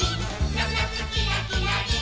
「なつなつキラキラリン！」